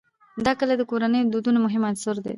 دا کلي د کورنیو د دودونو مهم عنصر دی.